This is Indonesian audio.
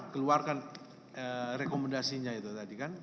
keluarkan rekomendasinya itu tadi kan